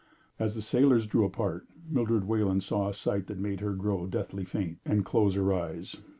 As the sailors drew apart, Mildred Wayland saw a sight that made her grow deathly faint and close her eyes.